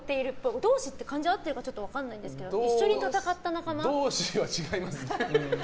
同士って漢字合ってるか分からないんですけど一緒に戦った仲間。